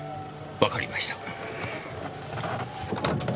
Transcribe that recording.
わかりました。